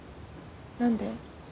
何で？